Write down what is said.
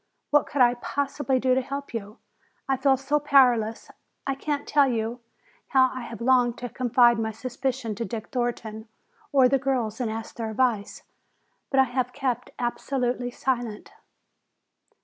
What could I possibly do to help you? I feel so powerless. I can't tell you how I have longed to confide my suspicion to Dick Thornton or the girls and ask their advice. But I have kept absolutely silent."